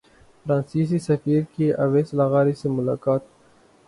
فرانسیسی سفیر کی اویس لغاری سے ملاقات